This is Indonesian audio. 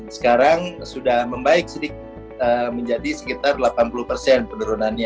sekarang sudah membaik menjadi sekitar delapan puluh persen penurunannya